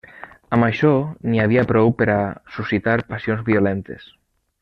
Amb això n'hi havia prou per a suscitar passions violentes.